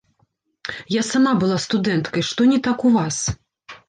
Я сама была студэнткай, што не так у вас?